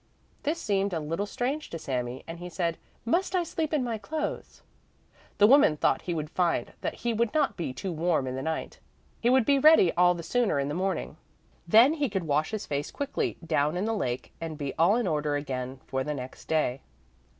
This seemed a little strange to Sami, and he said: "Must I sleep in my clothes?" The woman thought he would find that he would not be too warm in the night. He would be ready all the sooner in the morning. Then he could wash his face quickly down in the lake and be all in order again for the next day.